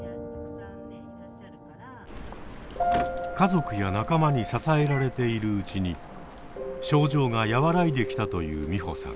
家族や仲間に支えられているうちに症状が和らいできたという美穂さん。